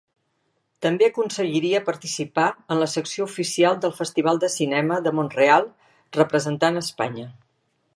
També aconseguiria participar en la secció oficial del Festival de cinema de Mont-real representant Espanya.